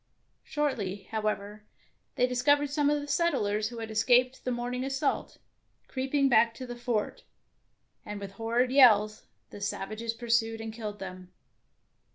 Shortly, however, they discovered some of the settlers who had escaped the morning assault, creeping back to the fort, and with horrid yells the savages pursued and killed them.